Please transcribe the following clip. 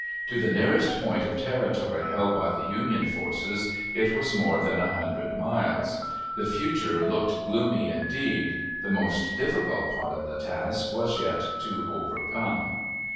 To the nearest point of territory held by the Union forces it was more than a hundred miles. The future looked gloomy enough. The most difficult part of the task was yet to be overcome.